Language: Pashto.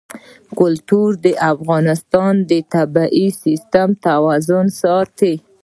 کلتور د افغانستان د طبعي سیسټم توازن ساتي.